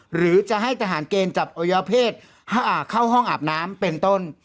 หรือจะให้ทหารเกณฑ์จับอวัยวเพศเข้าห้องอาบน้ำเป็นต้น